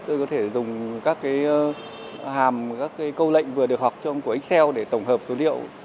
tôi có thể dùng các cái hàm các cái câu lệnh vừa được học trong của ánh xeo để tổng hợp số liệu